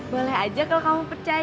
boleh aja kalau kamu percaya